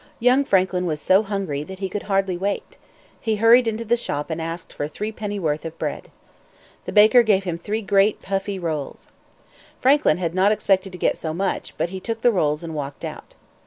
Young Franklin was so hungry that he could hardly wait. He hurried into the shop and asked for three penny worth of bread. The baker gave him three great, puffy rolls. Franklin had not expected to get so much, but he took the rolls and walked out.